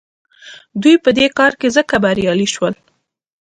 دوی په دې کار کې ځکه بریالي شول.